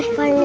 eh tapi benar